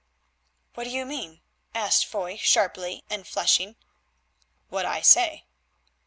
"What do you mean?" asked Foy sharply and flushing. "What I say."